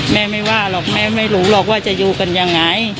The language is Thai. แม่ไม่ว่าหรอกแม่ไม่รู้หรอกว่าจะอยู่กันยังไง